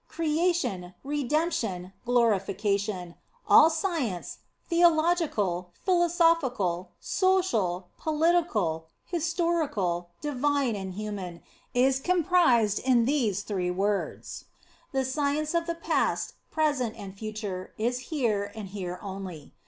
Creation, Redemp tion, Glorification; all science, theological, philosophical, social, political, historical, divine and human, is comprised in these three words. The science of the past, present and future, is here, and here only.